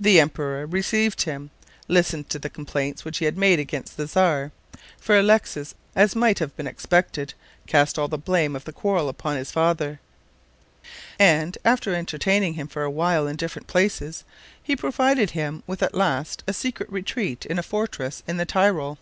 The emperor received him, listened to the complaints which he made against the Czar for Alexis, as might have been expected, cast all the blame of the quarrel upon his father and, after entertaining him for a while in different places, he provided him at last with a secret retreat in a fortress in the Tyrol.